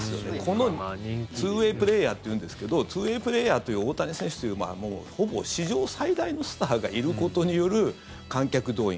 このツーウェイ・プレーヤーっていうんですけどツーウェイ・プレーヤーという大谷選手というほぼ史上最大のスターがいることによる観客動員